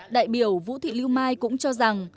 đại biểu vũ thị lưu mai cũng cho rằng